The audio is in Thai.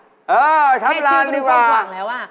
เออทับลานดีกว่าแค่ชื่อกันต้องหวังแล้วแค่ชื่อกันต้องหวังแล้ว